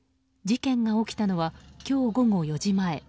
事件が起きたのは今日午後４時前。